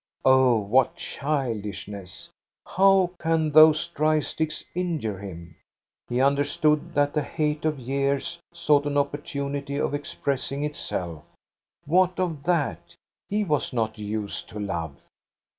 Oh, what childishness ! How can those dry sticks injure him? He understood that the hate of years sought an opportunity of ex pressing itself What of that? — he was not used to love.